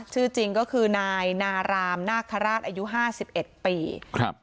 ชื่อจริงก็คือนายนารามนาคาราชอายุห้าสิบเอ็ดปีครับ